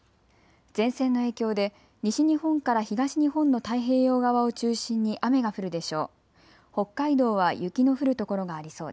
前線の影響で西日本から東日本の太平洋側を中心に雨が降るでしょう。